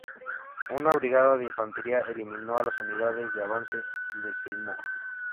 Una brigada de infantería eliminó a las unidades de avance de Seymour.